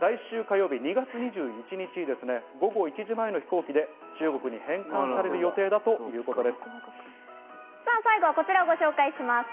シャンシャンは来週火曜日の２月２１日、午後１時前の飛行機で中国に返還される予定だということです。